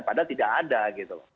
padahal tidak ada gitu loh